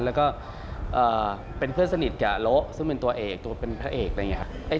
แล้วก็เป็นเพื่อนสนิทกับโละซึ่งเป็นตัวเอกรักเป็นเป็นเพื่อเปนครับ